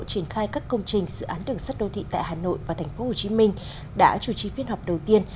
triển khai các công trình dự án đường sắt đô thị tại hà nội và tp hcm đã chủ trì phiên họp đầu tiên